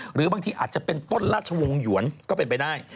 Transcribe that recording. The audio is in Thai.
หรือบางทีอาจจะเป็นต้นราชวงศ์หยวนก็เป็นไปได้